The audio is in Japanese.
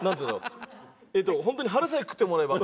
本当に腹さえくくってもらえば。